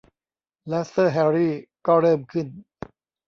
แล้วเซอร์ แฮรี่ ก็เริ่มขึ้น